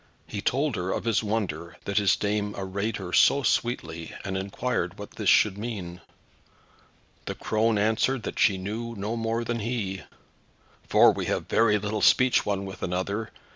He told her of his wonder that his dame arrayed her so sweetly, and inquired what this should mean. The crone answered that she knew no more than he, "for we have very little speech one with another.